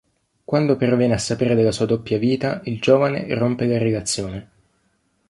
Quando però viene a sapere della sua doppia vita, il giovane rompe la relazione.